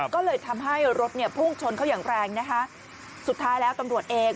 ก็เลยทำให้รถเนี่ยพุ่งชนเขาอย่างแรงนะคะสุดท้ายแล้วตำรวจเอง